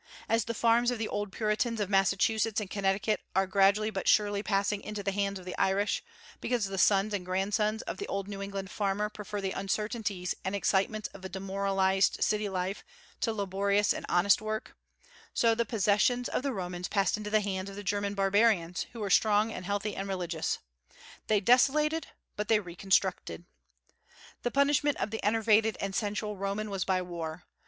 As the farms of the old Puritans of Massachusetts and Connecticut are gradually but surely passing into the hands of the Irish, because the sons and grandsons of the old New England farmer prefer the uncertainties and excitements of a demoralized city life to laborious and honest work, so the possessions of the Romans passed into the hands of German barbarians, who were strong and healthy and religious. They desolated, but they reconstructed. The punishment of the enervated and sensual Roman was by war.